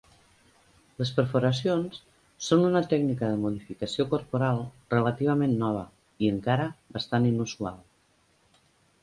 Les perforacions són una tècnica de modificació corporal relativament nova i encara bastant inusual.